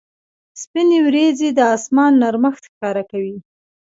سپینې ورېځې د اسمان نرمښت ښکاره کوي.